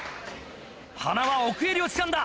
塙奥襟をつかんだ。